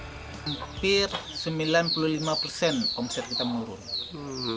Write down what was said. hampir sembilan puluh lima persen omset kita menurun